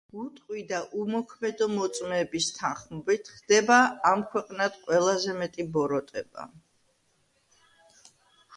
უტყვი და უმოქმედო მოწმეების თანხმობით ხდება ხდება ამ ქვეყნად ყველაზე მეტი ბოროტება